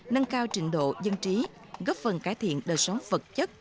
nâng cao trình độ dân trí góp phần cải thiện đời sống vật chất